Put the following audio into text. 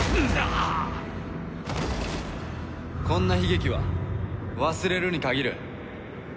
こんな悲劇は忘れるに限る。